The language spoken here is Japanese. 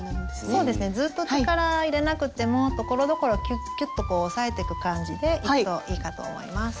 そうですねずっと力入れなくてもところどころキュッキュッとこう押さえてく感じでいくといいかと思います。